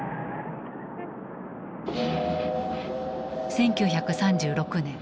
１９３６年。